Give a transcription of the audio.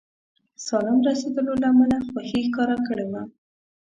سالم رسېدلو له امله خوښي ښکاره کړې وه.